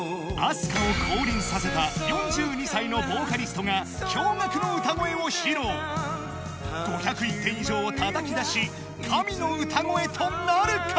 ＡＳＫＡを降臨させた４２歳のボーカリストが驚愕の歌声を披露５０１点以上をたたき出し神の歌声となるか？